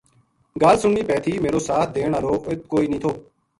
گال سننی پے تھی میرو ساتھ دین ہالو اِت کوئی نیہہ تھو